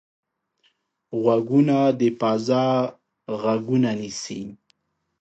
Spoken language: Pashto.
غوږونه د فضا غږونه نیسي